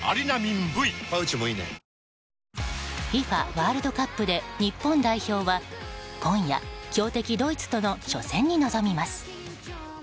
ワールドカップで日本代表は今夜、強敵ドイツとの初戦に臨みます。